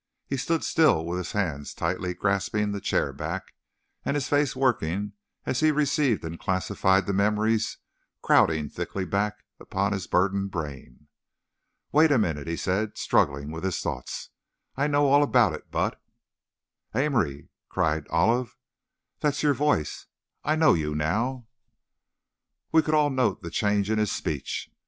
He stood still, with his hands tightly grasping the chair back, and his face working as he received and classified the memories crowding thickly back upon his burdened brain. "Wait a minute," he said, struggling with his thoughts, "I know all about it, but " "Amory!" cried Olive, "that's your voice! I know you now!" We could all note the change in his speech.